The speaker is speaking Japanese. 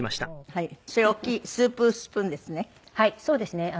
はいそうですね。